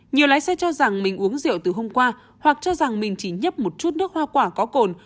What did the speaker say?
nhiều lái xe cho rằng mình uống rượu từ hôm qua hoặc cho rằng mình chỉ nhấp một chút nước hoa quả có cồn